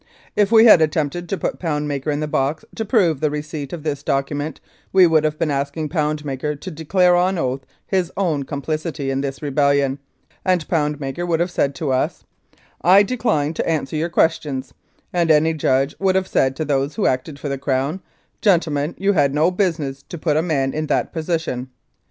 If we had attempted to put Poundmaker in the box to prove the receipt of this document we would have been asking Poundmaker to declare on his oath his own complicity in this rebellion, and Poundmaker would have said to us : "'I decline to answer your questions,' and any judge would have said to those who acted for the Crown, ' Gentle men, you had no business to put a man in that position.'